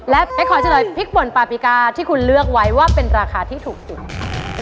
และเป๊กขอเฉลยพริกป่นปาปิกาที่คุณเลือกไว้ว่าเป็นราคาที่ถูกสุด